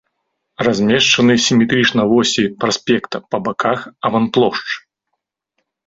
Размешчаны сіметрычна восі праспекта па баках аванплошчы.